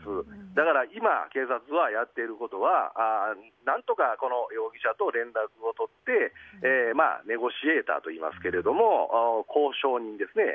だから今、警察がやっていることは何とかこの容疑者と連絡をとってネゴシエーターといいますが交渉人ですね。